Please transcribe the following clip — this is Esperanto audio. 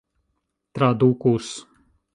tradukus